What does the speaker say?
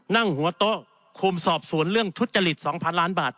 นั่งหัวโต๊ะคุมสอบสวนเรื่องทุจริต๒๐๐๐ล้านบาท